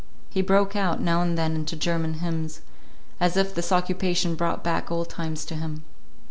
He broke out now and then into German hymns, as if this occupation brought back old times to him.